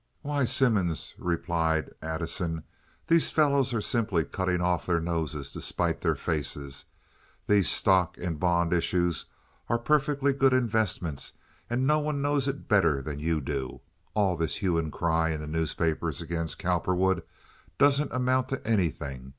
"Why, Simmons," replied Addison, "these fellows are simply cutting off their noses to spite their faces. These stock and bond issues are perfectly good investments, and no one knows it better than you do. All this hue and cry in the newspapers against Cowperwood doesn't amount to anything.